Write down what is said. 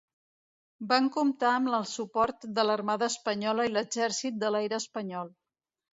Van comptar amb el suport de l'Armada Espanyola i l'Exèrcit de l'Aire espanyol.